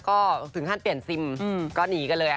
ก็ถึงขั้นเปลี่ยนซิมก็หนีกันเลย